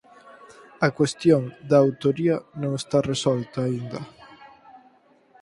A cuestión da autoría non está resolta aínda.